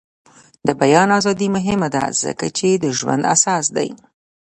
د بیان ازادي مهمه ده ځکه چې د ژوند اساس دی.